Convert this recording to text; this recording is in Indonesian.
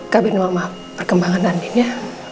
kabin mama perkembangan andin ya